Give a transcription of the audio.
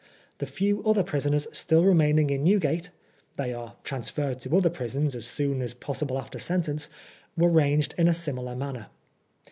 The few other prisoners still remaining in Newgate (they are transferred to other prisons as soon as pos sible after sentence) were ranged in a similar manner.